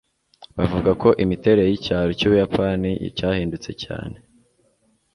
bavuga ko imiterere y'icyaro cy'ubuyapani cyahindutse cyane